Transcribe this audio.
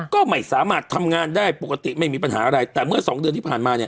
ก็ไม่สามารถทำงานได้ปกติไม่มีปัญหาอะไรแต่เมื่อสองเดือนที่ผ่านมาเนี่ย